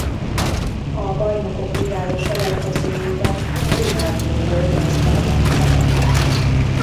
A Bajnokok Ligája selejtezőjében a Liverpool volt az ellenfele.